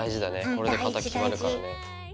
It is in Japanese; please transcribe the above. これで型決まるからね。